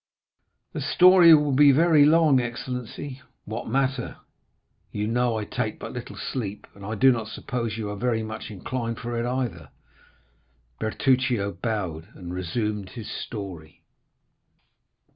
"The story will be very long, excellency." "What matter? you know I take but little sleep, and I do not suppose you are very much inclined for it either." Bertuccio bowed, and resumed his story.